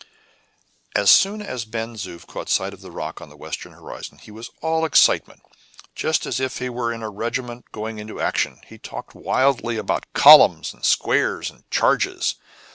As soon as Ben Zoof caught sight of the rock on the western horizon, he was all excitement. Just as if he were in a regiment going into action, he talked wildly about "columns" and "squares" and "charges."